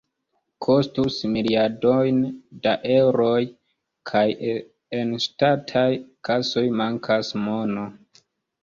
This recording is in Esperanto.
Kostus miliardojn da eŭroj, kaj en ŝtataj kasoj mankas mono.